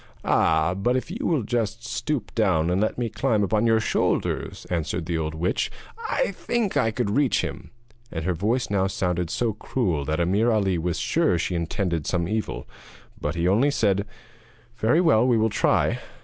'Ah, but if you will just stoop down and let me climb upon your shoulders,' answered the old witch, 'I think I could reach him.' And her voice now sounded so cruel that Ameer Ali was sure that she intended some evil. But he only said: 'Very well, we will try.'